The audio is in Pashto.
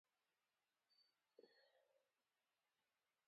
ځينې په دې نظر دی چې ټولې یاګانې دې يو ډول وليکل شي